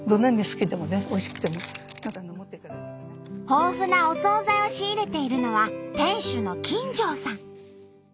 豊富なお総菜を仕入れているのは店主の金城さん。